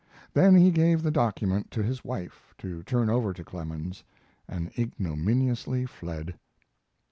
Then he gave the document to his wife, to turn over to Clemens, and ignominiously fled.